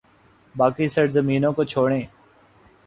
باقی سرزمینوں کو چھوڑیں۔